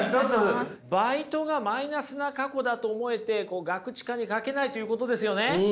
バイトがマイナスな過去だと思えてガクチカに書けないということですよね。